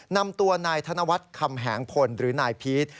นำตัวนายธนวัฒน์คำแหงพลหรือนายพีช